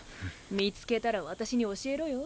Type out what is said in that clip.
見つけたら私に教えろよ。